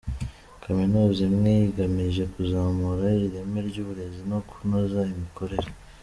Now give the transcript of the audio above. Kaminuza imwe igamije kuzamura ireme ry’uburezi no kunoza imikorere.